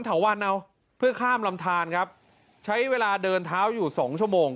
เถาวันเอาเพื่อข้ามลำทานครับใช้เวลาเดินเท้าอยู่สองชั่วโมง